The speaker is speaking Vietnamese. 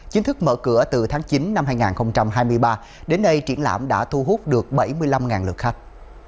chính thức mở cửa từ tháng chín năm hai nghìn hai mươi ba đến nay triển lãm đã thu hút được bảy mươi năm lượt khách